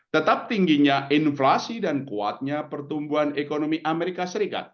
tetap tingginya inflasi dan kuatnya pertumbuhan ekonomi amerika serikat